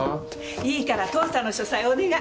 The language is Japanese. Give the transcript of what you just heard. いいから父さんの書斎お願い。